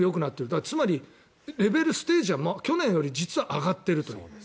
だからつまり、レベルステージは去年より実は上がってるという。